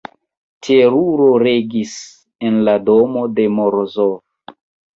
Teruro regis en la domo de Morozov.